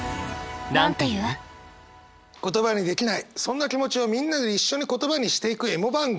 言葉にできないそんな気持ちをみんなで一緒に言葉にしていくエモ番組。